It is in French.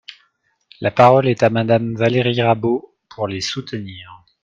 La parole est à Madame Valérie Rabault, pour les soutenir.